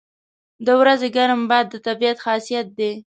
• د ورځې ګرم باد د طبیعت خاصیت دی.